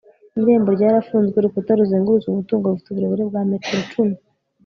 irembo ryarafunzwe, urukuta ruzengurutse umutungo rufite uburebure bwa metero icumi